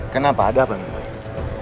kenapa ada apaan yang baik